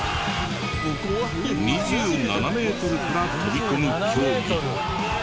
２７メートルから飛び込む競技。